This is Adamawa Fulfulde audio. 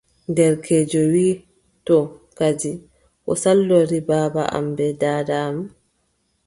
Derkeejo wiʼi: to kadi, ko saldori baaba am bee daada am,